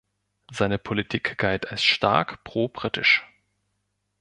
Seine Politik galt als stark probritisch.